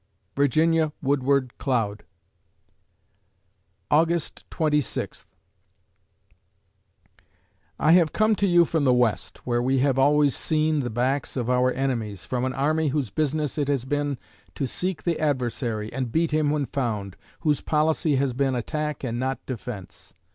VIRGINIA WOODWARD CLOUD August Twenty Sixth I have come to you from the West, where we have always seen the backs of our enemies from an army whose business it has been to seek the adversary, and beat him when found, whose policy has been attack and not defense.